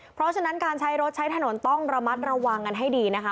เพราะฉะนั้นการใช้รถใช้ถนนต้องระมัดระวังกันให้ดีนะคะ